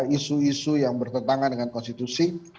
isu isu yang bertentangan dengan konstitusi